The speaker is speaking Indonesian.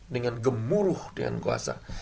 dengan gemuruh dengan kuasa